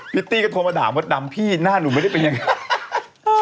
ิตตี้ก็โทรมาด่ามดดำพี่หน้าหนูไม่ได้เป็นยังไง